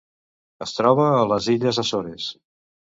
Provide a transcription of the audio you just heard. Es troba a les Illes Açores.